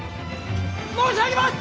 ・申し上げます！